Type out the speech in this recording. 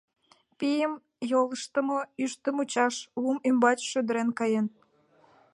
Пийым йолыштымо ӱштӧ мучаш лум ӱмбач шӱдырнен каен.